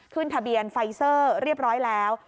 ขึ้นทะเบียนไฟเซอร์เรียบร้อยแล้ว